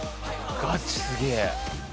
ガチすげえ。